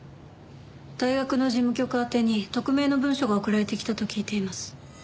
大学の事務局宛てに匿名の文書が送られてきたと聞いています。